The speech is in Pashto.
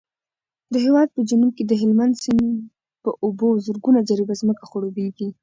د هېواد په جنوب کې د هلمند سیند په اوبو زرګونه جریبه ځمکه خړوبېږي.